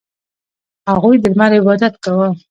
• هغوی د لمر عبادت کاوه.